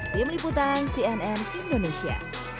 di meliputan cnn indonesia